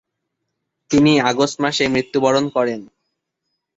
তিনি আগস্ট মাসে মৃত্যুবরণ করেন।